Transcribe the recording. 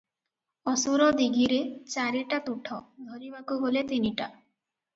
ଅସୁର ଦୀଘିରେ ଚାରିଟାତୁଠ, ଧରିବାକୁ ଗଲେ ତିନିଟା ।